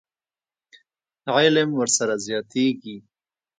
علم ورسره زیاتېږي.